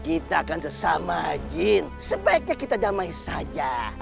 kita akan sesama jin sebaiknya kita damai saja